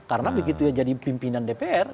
karena begitu jadi pimpinan dpr